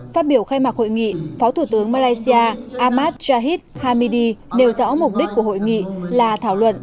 phát biểu khai mạc hội nghị phó thủ tướng malaysia ahmad jahid hamidi nêu rõ mục đích của hội nghị là thảo luận